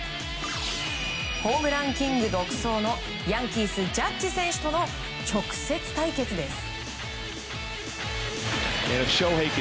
ホームランキング独走のヤンキース、ジャッジ選手との直接対決です。